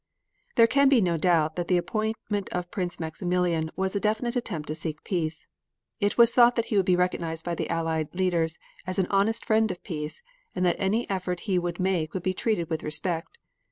There can be no doubt that the appointment of Prince Maximilian was a definite attempt to seek peace. It was thought that he would be recognized by the Allied leaders as an honest friend of peace, and that any effort he would make would be treated with respect.